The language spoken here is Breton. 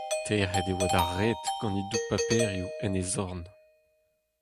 Tec'het e oa d'ar red gant he doug-paperoù en e zorn.